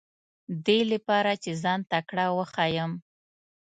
دې لپاره چې ځان تکړه وښیم.